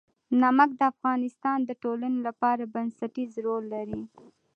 نمک د افغانستان د ټولنې لپاره بنسټيز رول لري.